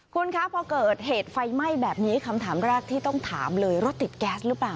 คุณคะพอเกิดเหตุไฟไหม้แบบนี้คำถามแรกที่ต้องถามเลยรถติดแก๊สหรือเปล่า